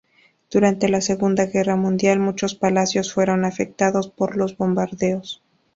Durante la Segunda Guerra Mundial muchos palacios fueron afectados por los bombardeos.